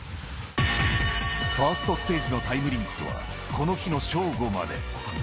ファーストステージのタイムリミットは、この日の正午まで。